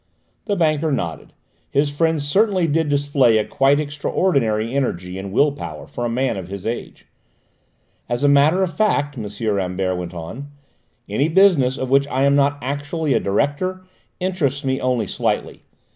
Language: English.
The banker nodded: his friend certainly did display a quite extraordinary energy and will power for a man of his age. "As a matter of fact," M. Rambert went on, "any business of which I am not actually a director, interests me only slightly.